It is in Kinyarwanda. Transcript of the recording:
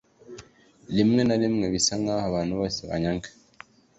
Rimwe na rimwe bisa nkaho abantu bose banyanga.